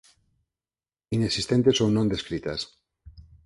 Inexistentes ou non descritas.